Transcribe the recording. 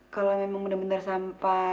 kalau memang benar benar sampah